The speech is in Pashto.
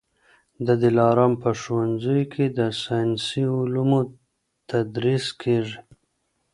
د دلارام په ښوونځیو کي د ساینسي علومو تدریس کېږي